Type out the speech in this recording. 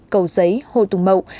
cầu giấy hồ tùng mậu